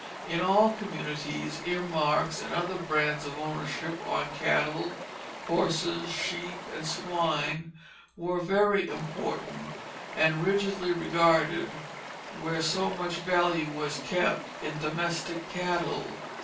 In all communities earmarks and other brands of ownership on cattle, horses, sheep, and swine were very important, and rigidly regarded where so much value was kept in domestic cattle.